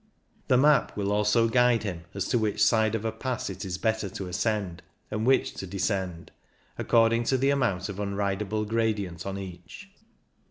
The map will also guide him as to which side of a pass it is better to ascend and which to descend, according to the amount of unridable gradient on each.